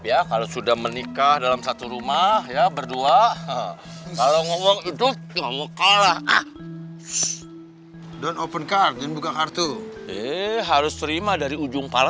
yang ajat nikah kami atau saya dengan teh manis sudah dekat